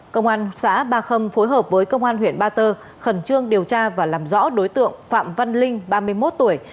công an xã ba khâm phối hợp với công an huyện ba tơ khẩn trương điều tra và làm rõ đối tượng phạm văn linh ba mươi một tuổi